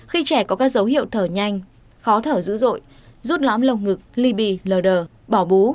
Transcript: khi trẻ có các dấu hiệu thở nhanh khó thở dữ dội rút ngóm lồng ngực ly bì lờ đờ bỏ bú